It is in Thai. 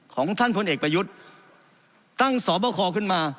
ของท่านพลเอกประยุทธ์ตั้งสอบคอขึ้นมา